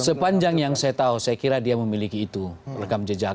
sepanjang yang saya tahu saya kira dia memiliki itu rekam jejaknya